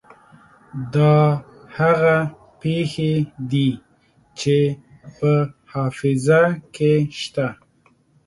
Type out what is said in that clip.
دا هغه پېښې دي چې په حافظه کې شته.